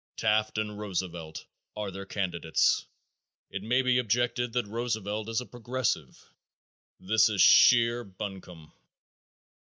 Taft and Roosevelt are their candidates. It may be objected that Roosevelt is a "Progressive." That is sheer buncombe.